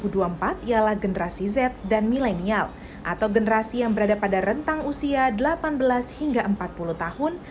ialah generasi z dan milenial atau generasi yang berada pada rentang usia delapan belas hingga empat puluh tahun